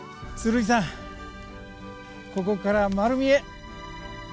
ここから丸見え！